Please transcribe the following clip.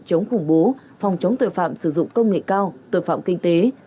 chống khủng bố phòng chống tội phạm sử dụng công nghệ cao tội phạm kinh tế